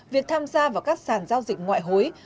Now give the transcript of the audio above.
việc tham gia vào các sàn giao dịch ngoại hối